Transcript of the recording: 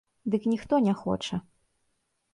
Дык ніхто не хоча.